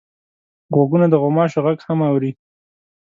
غوږونه د غوماشو غږ هم اوري